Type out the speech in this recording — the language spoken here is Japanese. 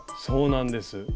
そうなんです。